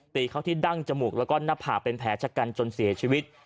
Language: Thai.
ตีเข้าที่ดั้งจมูกแล้วก็หน้าผากเป็นแผลชะกันจนเสียชีวิต